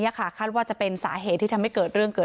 เพราะไม่เคยถามลูกสาวนะว่าไปทำธุรกิจแบบไหนอะไรยังไง